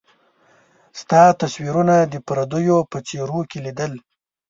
ستا تصويرونه د پرديو په څيرو کي ليدل